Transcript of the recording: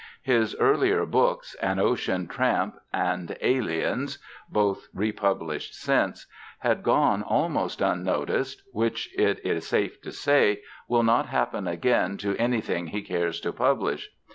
His earlier books, An Ocean Tramp and Aliens (both republished since), had gone almost unnoticed which, it is safe to say, will not happen again to anything he cares to publish.